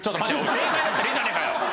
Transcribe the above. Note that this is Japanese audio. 正解だったらいいじゃねえかよ。